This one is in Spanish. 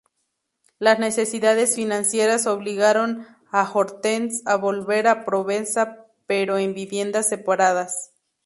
Las necesidades financieras obligaron a Hortense a volver a Provenza pero en viviendas separadas.